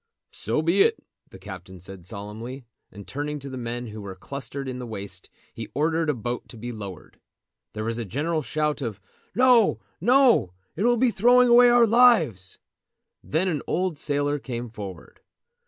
"So be it," the captain said solemnly; and turning to the men, who were clustered in the waist, he ordered a boat to be lowered. There was a general shout of "No! no! It will be throwing away our lives!" Then an old sailor came forward.